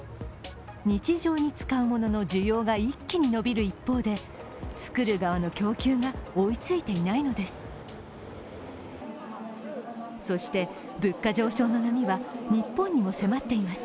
日常に使うものの需要が一気に伸びる一方で作る側の供給が追いついていないのです。